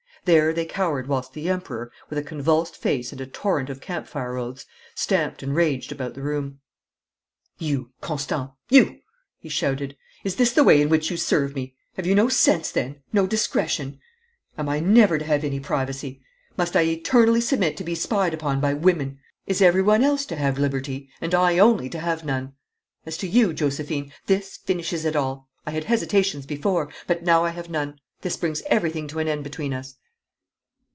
There they cowered whilst the Emperor, with a convulsed face and a torrent of camp fire oaths, stamped and raged about the room. 'You, Constant, you!' he shouted; 'is this the way in which you serve me? Have you no sense then no discretion? Am I never to have any privacy? Must I eternally submit to be spied upon by women? Is everyone else to have liberty, and I only to have none? As to you, Josephine, this finishes it all. I had hesitations before, but now I have none. This brings everything to an end between us.'